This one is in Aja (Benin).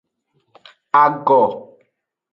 Ago.